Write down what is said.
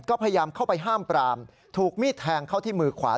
ก็พยายามเข้าไปห้ามปรามถูกมีดแทงเข้าที่มือขวา